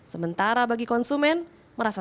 sementara bagi konsumen